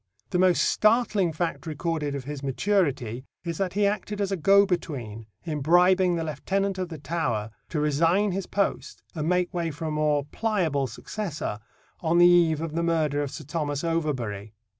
The most startling fact recorded of his maturity is that he acted as a go between in bribing the Lieutenant of the Tower to resign his post and make way for a more pliable successor on the eve of the murder of Sir Thomas Overbury.